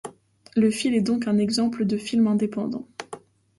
Le film est donc un exemple de film indépendant.